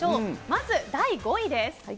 まず第５位です。